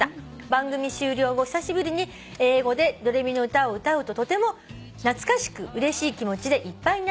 番組終了後久しぶりに英語で『ドレミのうた』を歌うととても懐かしくうれしい気持ちでいっぱいになりました」